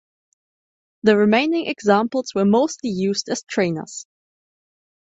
The remaining examples were mostly used as trainers.